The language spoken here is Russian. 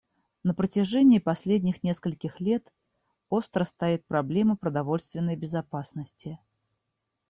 На протяжении последних нескольких лет остро стоит проблема продовольственной безопасности.